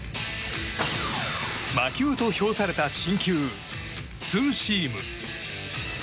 魔球と評された新球ツーシーム。